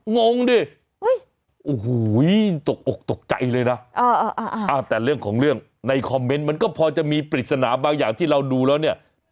งงดิโอ้โหตกอกตกใจเลยนะแต่เรื่องของเรื่องในคอมเมนต์มันก็พอจะมีปริศนาบางอย่างที่เราดูแล้วเนี่ย